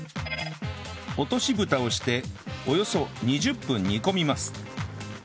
落としぶたをしておよそ２０分煮込みます